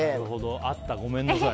あった、ごめんなさい。